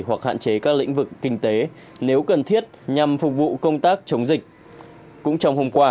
hoặc hạn chế các lĩnh vực kinh tế nếu cần thiết nhằm phục vụ công tác chống dịch